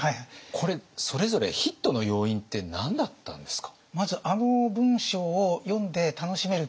これそれぞれヒットの要因って何だったんですか？